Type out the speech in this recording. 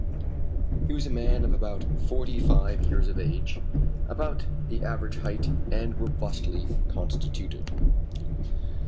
He was a man of about forty five years of age, about the average height, and robustly constituted.